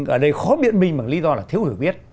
ở đây khó biện minh bằng lý do là thiếu hiểu biết